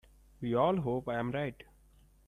We all hope I am right.